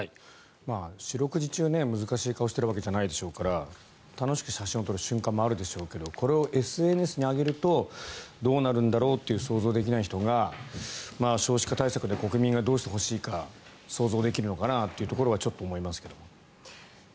四六時中難しい顔をしてるわけじゃないでしょうから楽しく写真を撮る瞬間もあるでしょうけどこれをＳＮＳに上げるとどうなるんだろうという想像ができない人が少子化対策で国民がどうしてほしいか想像できるのかなとちょっと思いますけども。